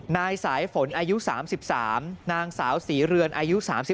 นายสายฝนอายุ๓๓นางสาวศรีเรือนอายุ๓๓